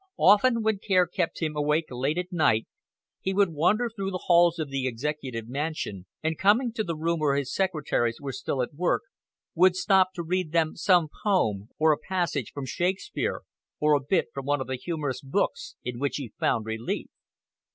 Often when care kept him awake late at night he would wander through the halls of the Executive Mansion, and coming to the room where his secretaries were still at work, would stop to read to them some poem, or a passage from Shakspere, or a bit from one of the humorous books in which he found relief.